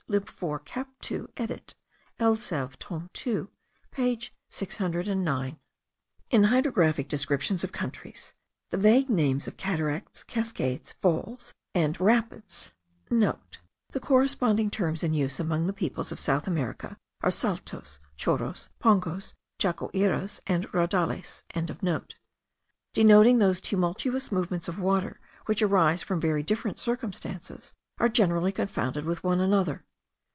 lib 4 cap 2 edit. Elzev. tome 2 page 609.) In hydrographic descriptions of countries, the vague names of cataracts, cascades, falls, and rapids,* (* The corresponding terms in use among the people of South America, are saltos, chorros, pongos, cachoeiras, and raudales.) denoting those tumultuous movements of water which arise from very different circumstances, are generally confounded with one another.